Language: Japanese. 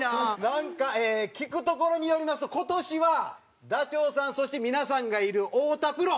なんか聞くところによりますと今年はダチョウさんそして皆さんがいる太田プロ